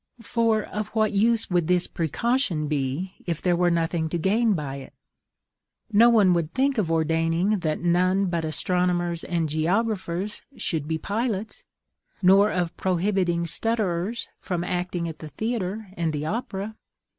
For of what use would this precaution be, if there were nothing to gain by it? No one would think of ordaining that none but astronomers and geographers should be pilots, nor of prohibiting stutterers from acting at the theatre and the opera.